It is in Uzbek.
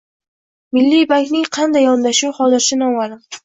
Milliy bankning qanday yondashuvi hozircha noma'lum